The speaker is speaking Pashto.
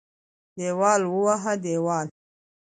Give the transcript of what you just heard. دېوال ووهه دېوال.